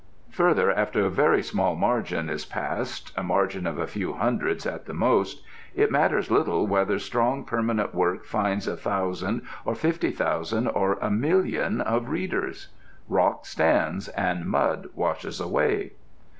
Further, after a very small margin is passed, a margin of a few hundreds at the most, it matters little whether strong permanent work finds a thousand or fifty thousand or a million of readers. Rock stands and mud washes away.